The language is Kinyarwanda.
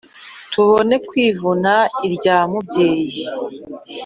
Tubone kwivuna irya mubyeyi.